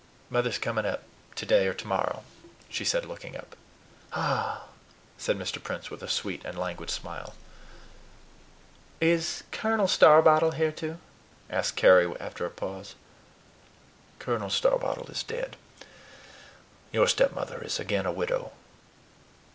"Mother's coming up today or tomorrow," she said, looking up. "Ah!" said Mr. Prince with a sweet and languid smile. "Is Colonel Starbottle here too?" asked Carry, after a pause. "Colonel Starbottle is dead. Your stepmother is again a widow."